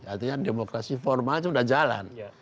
artinya demokrasi formal itu sudah jalan